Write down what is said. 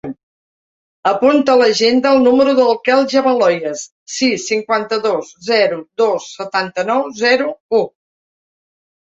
Apunta a l'agenda el número del Quel Javaloyes: sis, cinquanta-dos, zero, dos, setanta-nou, zero, u.